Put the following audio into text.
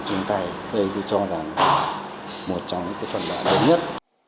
chúng ta có thể cho rằng đây là một trong những thuận lợi lớn nhất